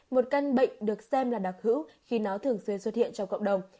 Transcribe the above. một căn bệnh được xem là đặc hữu khi nó thường xuyên xuất hiện trong cộng đồng